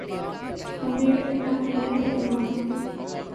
ہمیں اپنا رویہ بدلنا ہوگا۔